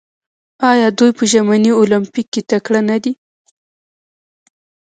آیا دوی په ژمني المپیک کې تکړه نه دي؟